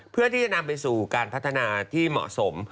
เพื่อที่จะนำไปสู่การพัฒนาที่เหมาะสม